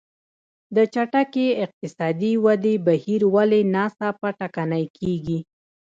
د چټکې اقتصادي ودې بهیر ولې ناڅاپه ټکنی کېږي.